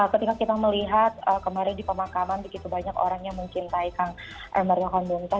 ketika kita melihat kemarin di pemakaman begitu banyak orang yang mengcintaikan m r k b m t